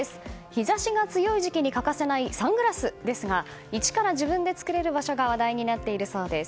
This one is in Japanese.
日差しが強い時期に欠かせないサングラスですが１から自分で作れる場所が話題になっているそうです。